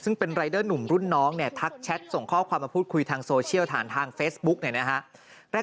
ซึ่งเป็นรายเดอร์หนุ่มรุ่นน้องเนี่ยทักแชทส่งข้อความมาพูดคุยทางโซเชียลผ่านทางเฟซบุ๊กเนี่ยนะฮะ